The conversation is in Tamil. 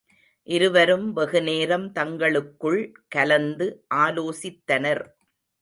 இருவரும் வெகுநேரம் தங்களுக்குள் கலந்து ஆலோசித்தனர்.